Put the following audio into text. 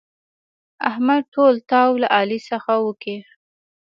احمد ټول تاو له علي څخه وکيښ.